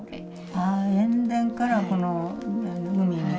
ああ塩田からこの海に。